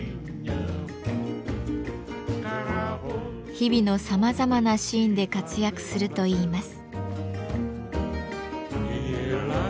日々のさまざまなシーンで活躍するといいます。